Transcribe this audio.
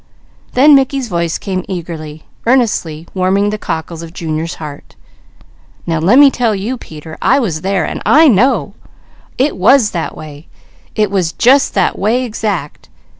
Then Mickey's voice came eagerly, earnestly, warming the cockles of Junior's heart. "Now lemme tell you Peter; I was there, and I know. It was that way. _It was just that way exact!